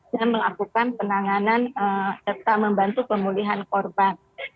dan melakukan penanganan serta membantu pemulihan korban